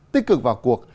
tích cực vào cuộc